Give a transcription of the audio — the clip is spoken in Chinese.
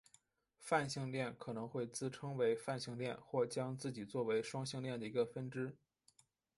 泛性恋可能会自称为泛性恋或将自己做为双性恋的一个分支。